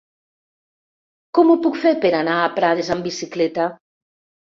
Com ho puc fer per anar a Prades amb bicicleta?